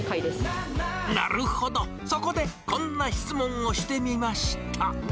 なるほど、そこでこんな質問をしてみました。